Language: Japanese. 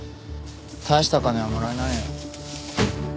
大した金はもらえないよ。